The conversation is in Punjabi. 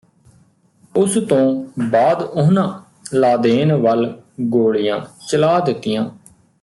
ਉਸ ਤੋਂ ਬਾਅਦ ਉਹਨਾਂ ਲਾਦੇਨ ਵੱਲ ਗੋਲੀਆਂ ਚਲਾ ਦਿੱਤੀਆਂ